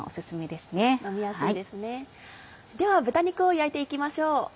では豚肉を焼いて行きましょう。